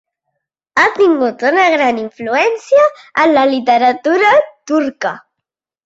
Ha tingut una gran influència en la literatura turca.